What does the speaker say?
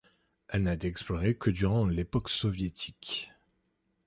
Elle n'a été explorée que durant l'époque soviétique.